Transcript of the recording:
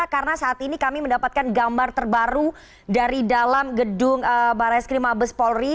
karena saat ini kami mendapatkan gambar terbaru dari dalam gedung barai skrim abus polri